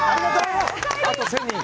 あと１０００人！